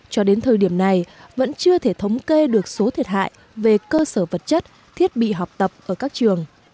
cho đến thời điểm này vẫn chưa thể thống kê được số thiệt hại về cơ sở vật chất thiết bị học tập ở các trường